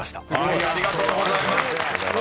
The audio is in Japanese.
［ありがとうございます］